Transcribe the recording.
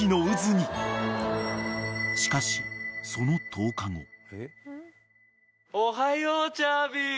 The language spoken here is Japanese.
［しかしその１０日後］